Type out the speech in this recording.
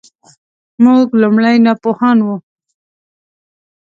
موږ لومړی ناپوهان وو .